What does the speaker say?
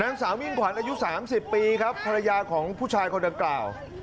นางสาวมิ่งขวัญอายุ๓๐ปีครับภรรยาของผู้ชายคนดังกล่าว